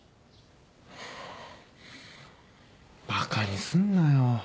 バカにすんなよ。